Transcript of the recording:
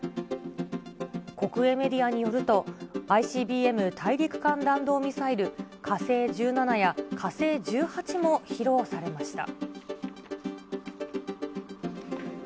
国営メディアによると、ＩＣＢＭ・大陸間弾道ミサイル、火星１７や、火星１８も披露されました。